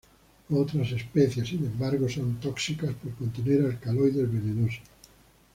Otras especies, sin embargo, son tóxicas por contener alcaloides venenosos.